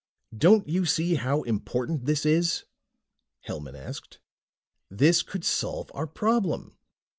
"Don't you see how important this is?" Hellman asked. "This could solve our problem.